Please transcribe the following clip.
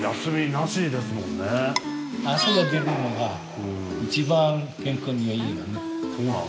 汗が出るのが一番健康にいい。